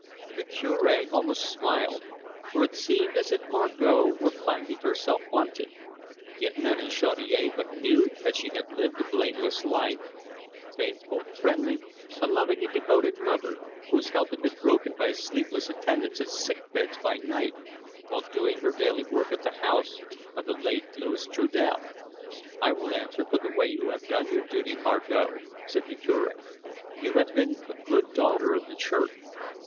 The Curb almost smiled, for it seemed as if Margot were finding herself wanting. Yet none in Chaudiere but knew that she had lived a blameless life faithful, friendly, a loving and devoted mother, whose health had been broken by sleepless attendance at sick beds by night, while doing her daily work at the house of the late Louis Trudel. "I will answer for the way you have done your duty, Margot," said the Cure. "You have been a good daughter of the Church."